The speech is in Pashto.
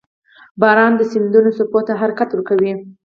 • باران د سیندونو څپو ته حرکت ورکوي.